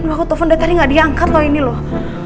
aku telfon dia tadi gak diangkat loh ini loh